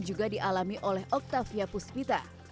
juga dialami oleh octavia puspita